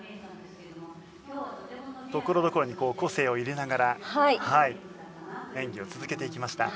所々に個性を入れながら演技を続けていきました。